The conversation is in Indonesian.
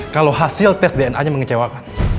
kalau hasil tes dna nya mengecewakan